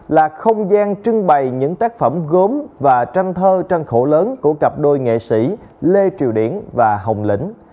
là không gian trưng bày những tác phẩm gốm và tranh thơ tranh khổ lớn của cặp đôi nghệ sĩ lê triều điển và hồng lĩnh